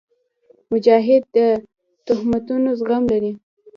مجاهد د تهمتونو زغم لري.